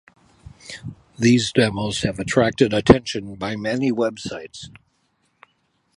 These demos have attracted attention by many websites.